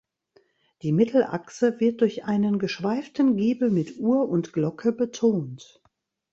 Die Mittelachse wird durch einen geschweiften Giebel mit Uhr und Glocke betont.